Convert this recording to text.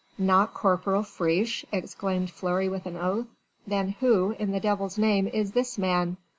"Not Corporal Friche," exclaimed Fleury with an oath, "then who in the devil's name is this man?"